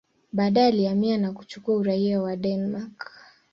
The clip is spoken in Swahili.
Baadaye alihamia na kuchukua uraia wa Denmark.